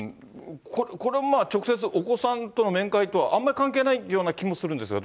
これもまあ、直接お子さんとの面会とはあんまり関係ないような気もするんです